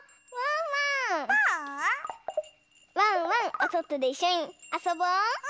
おそとでいっしょにあそぼう！